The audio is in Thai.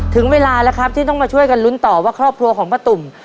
ถึงเวลาแล้วครับที่ต้องมาช่วยกันลุ้นต่อว่าครอบครัวของป้าตุ่ม